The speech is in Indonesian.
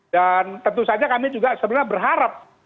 dan tentu saja kami juga sebenarnya berharap